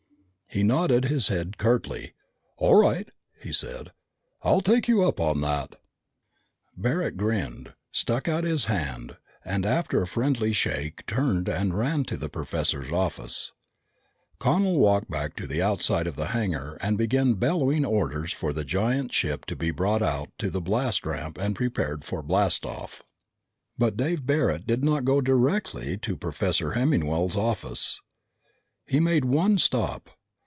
He nodded his head curtly. "All right," he said. "I'll take you up on that." Barret grinned, stuck out his hand, and after a friendly shake turned and ran to the professor's office. Connel walked back to the outside of the hangar and began bellowing orders for the giant ship to be brought out to the blast ramp and prepared for the blast off. But Dave Barret did not go directly to Professor Hemmingwell's office. He made one stop.